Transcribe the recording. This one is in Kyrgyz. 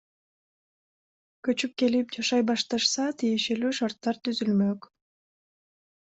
Көчүп келип, жашай башташса, тиешелүү шарттар түзүлмөк.